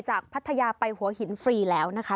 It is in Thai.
พัทยาไปหัวหินฟรีแล้วนะคะ